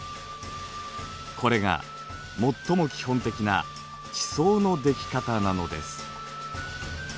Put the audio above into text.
これが最も基本的な地層のでき方なのです。